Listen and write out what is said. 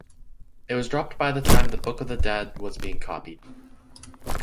It was dropped by the time the Book of the Dead was being copied.